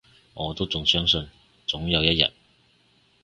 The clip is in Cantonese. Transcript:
我都仲相信，總有一日